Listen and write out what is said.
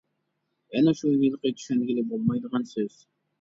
يەنە شۇ ھېلىقى چۈشەنگىلى بولمايدىغان سۆز.